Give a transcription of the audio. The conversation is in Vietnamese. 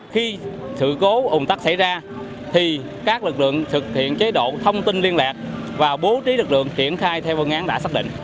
khi sự cố ủng tắc xảy ra thì các lực lượng thực hiện chế độ thông tin liên lạc và bố trí lực lượng triển khai theo phương án đã xác định